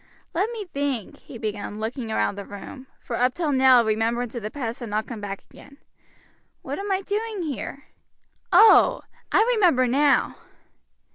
"Let me think," he began, looking round the room, for up till now remembrance of the past had not come back again, "what am I doing here? Oh! I remember now."